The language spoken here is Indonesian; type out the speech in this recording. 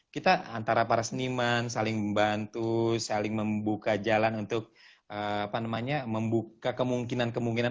kita antara para seniman saling membantu saling membuka jalan untuk membuka kemungkinan kemungkinan